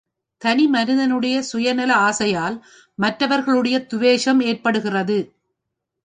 தனி மனிதனுடைய சுய நல ஆசையால் மற்றவர்களுடைய துவேஷம் ஏற்படுகிறது.